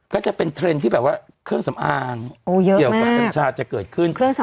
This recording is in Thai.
ก็จะเป็นเทรนด์ที่แบบว่าเครื่องสำอางเกี่ยวกับกัญชาจะเกิดขึ้น